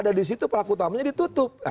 ada di situ pelaku utamanya ditutup